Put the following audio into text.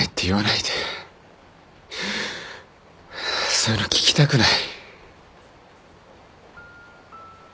そういうの聞きたくない。